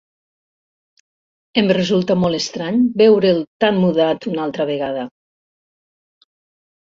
Em resulta molt estrany veure'l tan mudat una altra vegada.